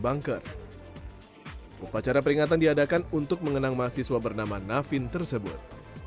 banker upacara peringatan diadakan untuk mengenang mahasiswa bernama navin tersebut